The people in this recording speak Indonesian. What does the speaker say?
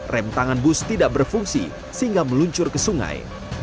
rangan bus tidak berfungsi sehingga meluncur ke sungai